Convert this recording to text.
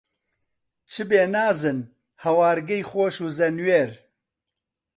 چ بێ نازن، هەوارگەی خۆش و زەنوێر